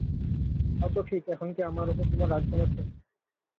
তাও তো ঠিক এখন কি আমার উপর তোমার রাগ কমেছে?